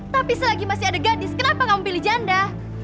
tapi selagi masih ada gadis kenapa kamu pilih janda